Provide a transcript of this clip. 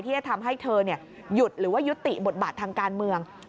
ที่จะทำให้เธอหยุดหรือว่ายุติบทบาททางการเมือง